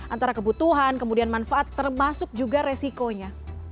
antara kebutuhan kemudian manfaat termasuk juga resikonya